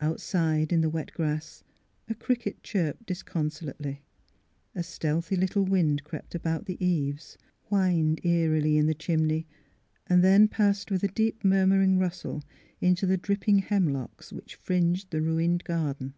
Outside in the wet grass a cricket chirped disconsolately; a stealthy A RAINY DAWN 255 little wind crept about the eaves, whined eerily in the chimney, then loassed with a deep murmur ous rustle into the dripping hemlocks which fringed the ruined garden.